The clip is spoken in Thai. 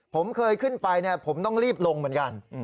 ผมเคยขึ้นไปผมต้องรีบลงเหมือนกัน